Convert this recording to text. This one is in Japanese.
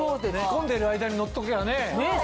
寝込んでる間に乗っときゃね。